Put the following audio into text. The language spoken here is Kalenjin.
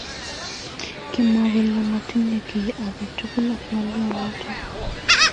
komwa kole matinye kiy agetugul ak ngolyo notok